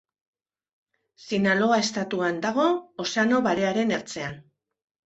Sinaloa estatuan dago, Ozeano Barearen ertzean.